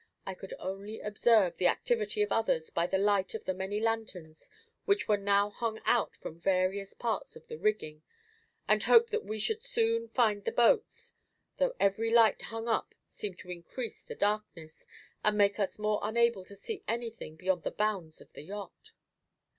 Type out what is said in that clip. I could only observe the activity of others by the light of the many lanterns which were now hung out from various parts of the rigging, and hope that we should soon find the boats, though every light hung up seemed to increase the darkness, and make us more unable to see anything beyond the bounds of the yacht.